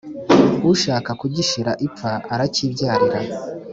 Ushaka kugishira ipfa aracyibyarira.